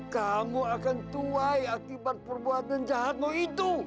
kamu akan tuai akibat perbuatan jahatmu itu